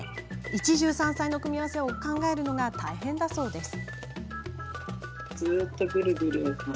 一汁三菜の組み合わせを考えるのが大変だそうです。